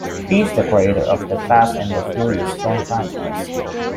He is the creator of "The Fast and the Furious" film franchise.